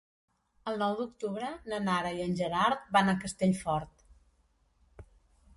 El nou d'octubre na Nara i en Gerard van a Castellfort.